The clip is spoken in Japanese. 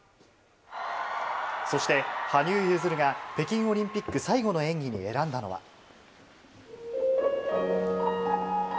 そして羽生結弦が北京オリンピック最後の演技に選んだのは。